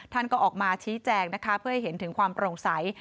ท่านก็ออกมาชี้แจงนะคะเพื่อให้เห็นถึงความโปร่งใส